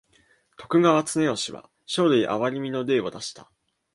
徳川綱吉は生類憐みの令を出した。